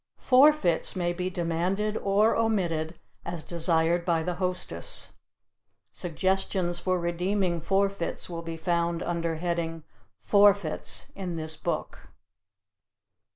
Forfeits may be demanded or omitted as desired by the hostess. Suggestions for redeeming forfeits will be found under heading "Forfeits" in this book.